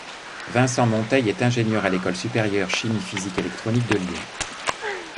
Vincent Monteil est ingénieur de l'École supérieure chimie physique électronique de Lyon.